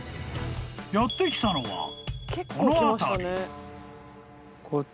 ［やって来たのはこの辺り］